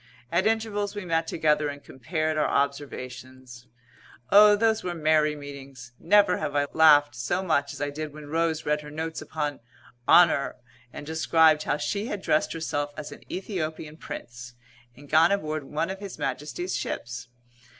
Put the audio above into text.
At intervals we met together and compared our observations. Oh, those were merry meetings! Never have I laughed so much as I did when Rose read her notes upon "Honour" and described how she had dressed herself as an Æthiopian Prince and gone aboard one of His Majesty's ships.